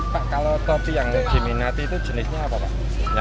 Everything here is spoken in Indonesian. pak kalau topi yang diminati itu jenisnya apa pak